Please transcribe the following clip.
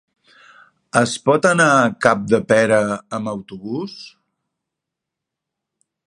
Es pot anar a Capdepera amb autobús?